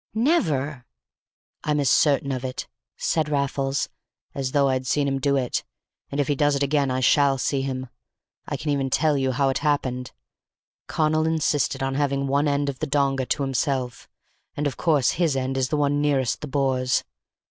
"Never!" "I'm as certain of it," said Raffles, "as though I'd seen him do it; and if he does it again I shall see him. I can even tell you how it happened. Connal insisted on having one end of the donga to himself, and of course his end is the one nearest the Boers.